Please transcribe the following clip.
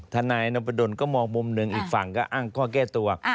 นายนพดลก็มองมุมหนึ่งอีกฝั่งก็อ้างข้อแก้ตัว